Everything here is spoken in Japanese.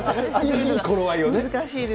いい頃合いをね。